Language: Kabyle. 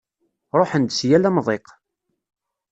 Ṛuḥen-d si yal amḍiq.